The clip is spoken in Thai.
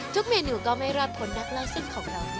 ทุกเมนูก็ไม่รอดผลนักเล่าซึ่งของเราแน่นอน